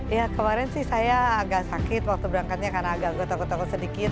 ya kemarin sih saya agak sakit waktu berangkatnya karena agak gue takut takut sedikit